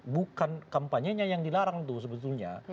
bukan kampanyenya yang dilarang tuh sebetulnya